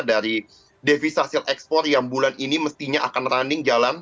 dari devisa hasil ekspor yang bulan ini mestinya akan running jalan